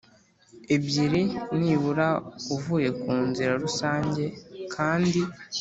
ebyiri nibura uvuye ku nzira rusange kandi